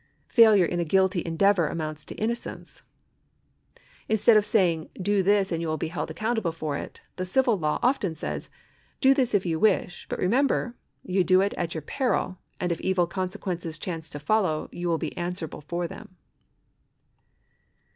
Failure in a guilty endeavour amounts to innocence. Instead of say ing :" Do this, and you will be held accountable for it," the civil law often says :" Do this if you wish, but remember that you do it at your peril, and if evil consequences chance to follow, you will be answerable for them."